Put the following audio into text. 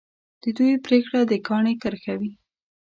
د دوی پرېکړه د کاڼي کرښه وي.